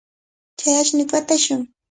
Chay ashnuta watashun.